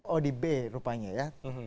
oh di b rupanya ya